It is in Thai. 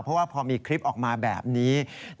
เพราะว่าพอมีคลิปออกมาแบบนี้